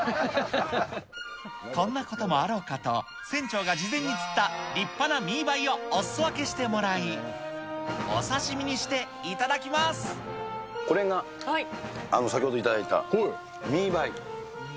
こんなこともあろうかと、船長が事前に釣った立派なミーバイをおすそ分けしてもらい、これが、先ほど頂いたミーバイ。